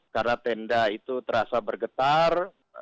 karena tenda itu terasa bergetar